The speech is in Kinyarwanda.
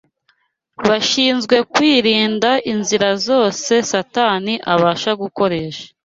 bashinzwe kwirinda inzira zose Satani abasha gukoresha